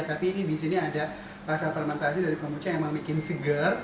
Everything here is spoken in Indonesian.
tapi di sini ada rasa fermentasi dari kombucha yang membuat seger